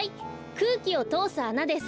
くうきをとおすあなです。